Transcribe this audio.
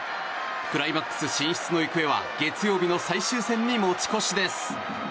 クライマックス進出の行方は月曜日の最終戦に持ち越しです。